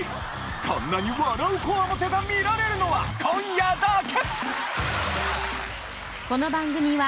こんなに笑う強面が観られるのは今夜だけ！